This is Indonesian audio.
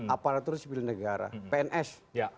aparatur sipil negara pns